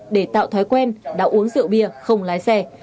để tạo thói quen đã uống rượu bia không lái xe